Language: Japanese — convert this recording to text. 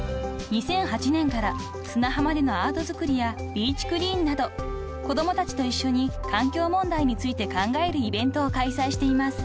［２００８年から砂浜でのアート作りやビーチクリーンなど子供たちと一緒に環境問題について考えるイベントを開催しています］